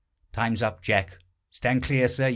Time's up, Jack Stand clear, sir.